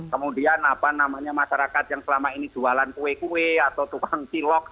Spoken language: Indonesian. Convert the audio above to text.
kemudian apa namanya masyarakat yang selama ini jualan kue kue atau tukang cilok